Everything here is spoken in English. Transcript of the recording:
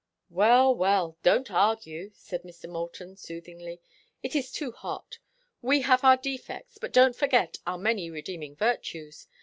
"Well, well, don't argue," said Mr. Moulton, soothingly. "It is too hot. We have our defects, but don't forget our many redeeming virtues.